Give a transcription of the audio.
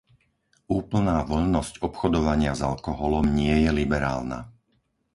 Úplná voľnosť obchodovania s alkoholom nie je liberálna.